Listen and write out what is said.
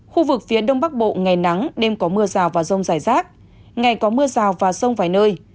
khu vực tây nguyên ngày nắng đêm có mưa rào và rông vài nơi